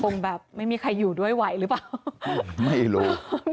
คงแบบไม่มีใครอยู่ด้วยไหวหรือเปล่าไม่รู้